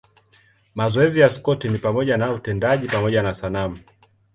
Mazoezi ya Scott ni pamoja na utendaji pamoja na sanamu.